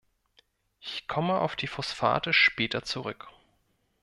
Ich komme auf die Phosphate später zurück.